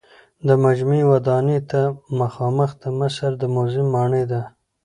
د مجمع ودانۍ ته مخامخ د مصر د موزیم ماڼۍ ده.